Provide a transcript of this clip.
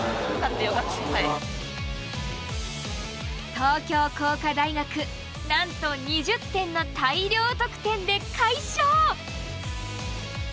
東京工科大学なんと２０点の大量得点で快勝！